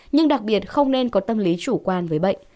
nhưng đặc biệt không nên có tâm lý chủ quan với bệnh